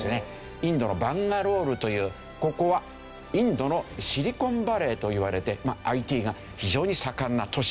インドのバンガロールというここはインドのシリコンバレーといわれてＩＴが非常に盛んな都市というわけで。